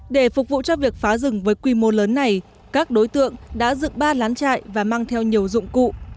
để phục vụ cho việc phá rừng với quy mô lớn này các đối tượng đã dựng ba lán trại và mang theo nhiều dụng cụ